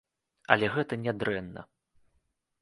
Але гэта не дрэнна.